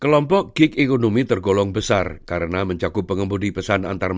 kelompok gig ekonomi tergolong besar karena mencakup pengemudi pesan antarmanas